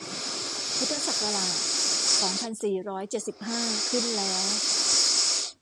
พุทธศักราช สองพันสี่ร้อยเจ็ดสิบห้า ขึ้นแล้ว